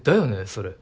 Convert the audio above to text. それ。